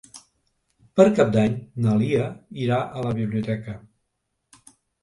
Per Cap d'Any na Lia irà a la biblioteca.